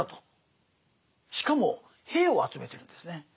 しかも兵を集めてるんですね。